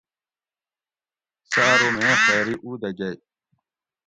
سہۤ ارو میں خویری اُو دہ گۤئ